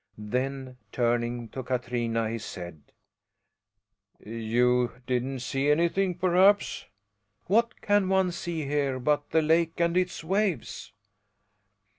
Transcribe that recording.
Then, turning to Katrina, he said: "You didn't see anything, perhaps?" "What can one see here but the lake and its waves?"